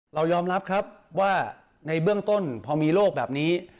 เรายอมรับครับว่าในเบื้องต้นพอมีโรคแบบนี้